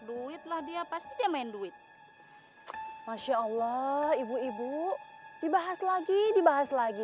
duit lah dia pasti dia main duit masya allah ibu ibu dibahas lagi